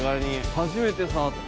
初めて触った。